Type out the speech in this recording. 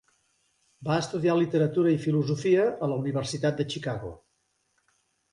Va estudiar literatura i filosofia a la Universitat de Chicago.